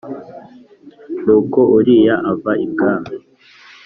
Nuko Uriya ava ibwami